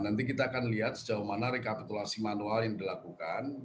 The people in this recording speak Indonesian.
nanti kita akan lihat sejauh mana rekapitulasi manual yang dilakukan